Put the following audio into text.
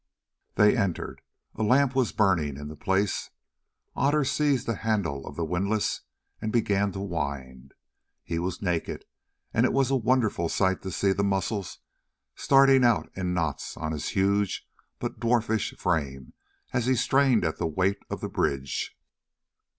They entered: a lamp was burning in the place. Otter seized the handle of the windlass and began to wind. He was naked, and it was a wonderful sight to see the muscles starting out in knots on his huge but dwarfish frame as he strained at the weight of the bridge.